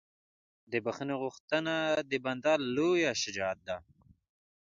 د بښنې غوښتنه د بنده لویه شجاعت ده.